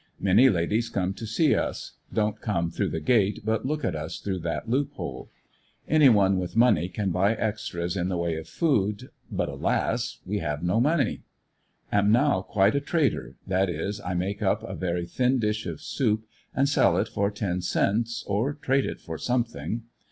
Many ladies come to see us; don't come through the gate, but look at us through that loophole. Any one with money can buy extras in the way of food, but, alas, we have no money. Am now quite a trader — that is, I make up a very thin dish of soup and sell it for ten cents, or trade it for something.